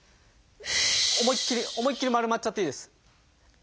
思いっきり思いっきり丸まっちゃっていいです。